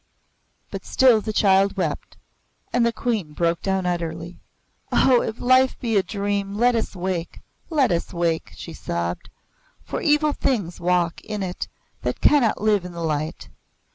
But still the child wept, and the Queen broke down utterly. "Oh, if life be a dream, let us wake, let us wake!" she sobbed. "For evil things walk in it that cannot live in the light.